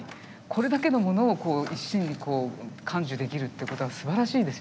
これだけのものをこう一身にこう感受できるってことはすばらしいですよね。